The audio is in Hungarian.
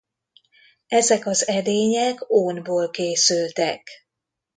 Ezek az edények ónból készültek.